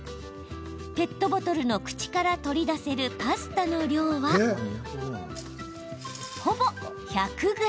ペットボトルの口から取り出せるパスタの量はほぼ１００ｇ。